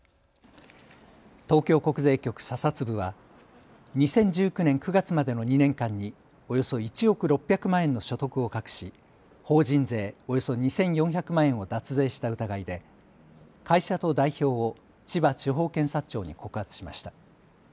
東京国税局査察部は２０１９年９月までの２年間におよそ１億６００万円の所得を隠し法人税およそ２４００万円を脱税した疑いで会社と代表を千葉地方検察庁に告発しました。